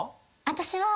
私は。